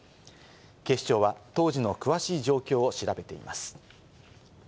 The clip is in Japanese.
警視庁は当時の詳しい状況を調べています。